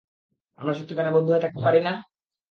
আমরা সত্যিকারের বন্ধু হয়ে থাকতে পারি না?